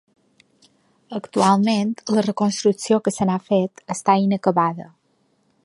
Actualment, la reconstrucció que se n'ha fet està inacabada.